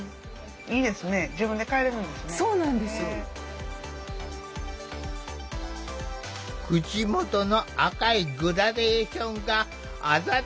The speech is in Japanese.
いいですね口元の赤いグラデーションがあざと